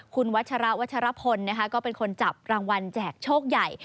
คุณวัชระวัชรพลนะคะก็เป็นคนจับรางวัลแจกโชคใหญ่